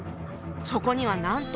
そこにはなんと！